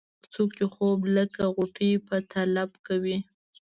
څوک چې خوب لکه غوټۍ په طلب کوي.